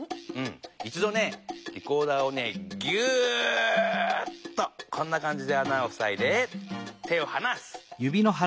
一どねリコーダーをねギューッとこんなかんじであなをふさいで手をはなす。